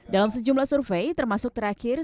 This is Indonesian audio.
dalam sejumlah survei termasuk terakhir